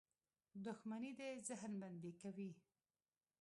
• دښمني د ذهن بندي کوي.